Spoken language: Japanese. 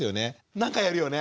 なんかやるよね？